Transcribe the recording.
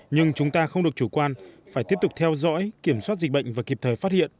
nhưng chúng ta không được chủ quan phải tiếp tục theo dõi kiểm soát dịch bệnh và kịp thời phát hiện